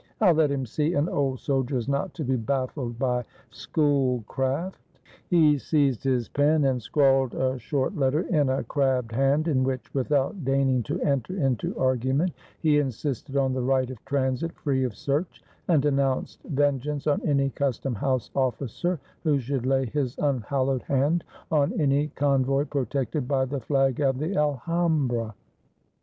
I'll let him see an old soldier is not to be bafHed by Schoolcraft." He seized his pen and scrawled a short letter in a crabbed hand, in which, without deigning to enter into argument, he insisted on the right of transit free of search, and denounced vengeance on any custom house ofiicer who should lay his unhallowed hand on any con voy protected by the flag of the Alhambra.